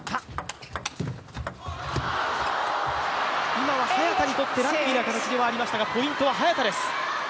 今は早田にとってラッキーな形ではありましたが、ポイントは早田です。